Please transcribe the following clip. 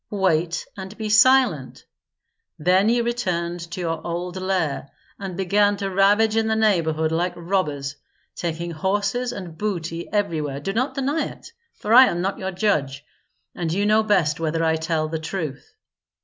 "Wait and be silent! Then you returned to your old lair, and began to ravage in the neighborhood like robbers, taking horses and booty everywhere. Do not deny it, for I am not your judge, and you know best whether I tell the truth.